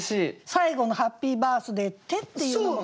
最後の「『ハッピーバースデイ』って」っていうのも。